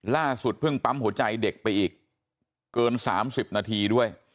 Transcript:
เพิ่งปั๊มหัวใจเด็กไปอีกเกิน๓๐นาทีด้วย